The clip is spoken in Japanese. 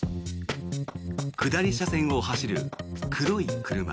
下り車線を走る黒い車。